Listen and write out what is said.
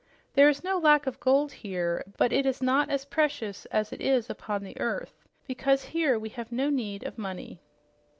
There is no lack of gold here, but it is not as precious as it is upon the earth because here we have no need of money."